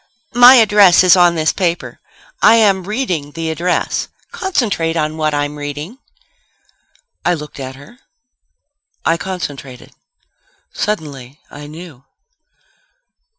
"My address is on this paper. I am reading the address. Concentrate on what I'm reading." I looked at her. I concentrated. Suddenly, I knew.